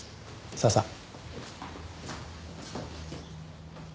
さあさあ。